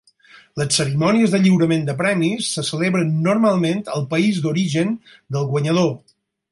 Les cerimònies de lliurament de premis se celebren normalment al país d'origen del guanyador.